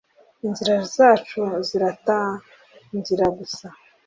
inzira zacu ziratangira gusa